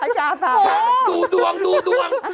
ช้างตูดวง